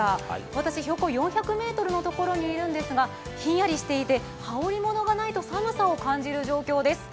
私、標高４００ｍのところにいるんですが、ひんやりしていて羽織り物がないと寒さを感じる状況です。